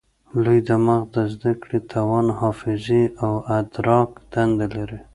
لوی دماغ د زده کړې، توان، حافظې او ادراک دندې لري.